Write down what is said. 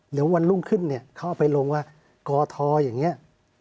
เดี๋ยววันรุ่งขึ้นเนี่ยเขาเอาไปลงว่ากทอย่างนี้